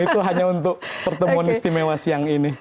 itu hanya untuk pertemuan istimewa siang ini